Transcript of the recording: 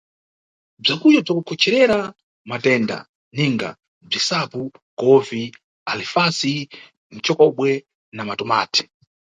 Bzukudya bza kukhocherera matenda, ninga bzisapu, kovi, alifasi, nʼcokobwe na matomati.